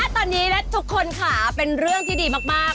ตอนนี้และทุกคนค่ะเป็นเรื่องที่ดีมาก